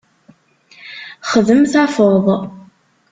Xdem tafeḍ.